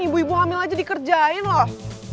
ibu ibu hamil aja dikerjain loh